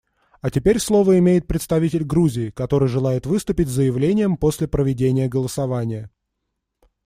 А теперь слово имеет представитель Грузии, который желает выступить с заявлением после проведения голосования.